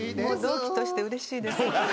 同期としてうれしいです。